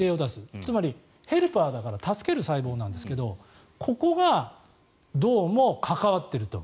つまり、ヘルパーだから助ける細胞なんですがここがどうも関わっていると。